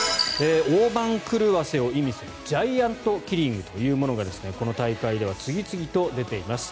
大番狂わせを意味するジャイアントキリングというものがこの大会では次々と出ています。